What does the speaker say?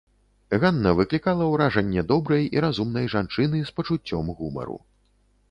Ганна выклікала ўражанне добрай і разумнай жанчыны з пачуццём гумару.